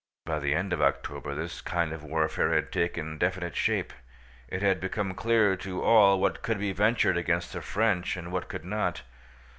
By the end of October this kind of warfare had taken definite shape: it had become clear to all what could be ventured against the French and what could not.